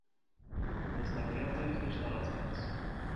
Նստակեաց է, քիչ տարածուած։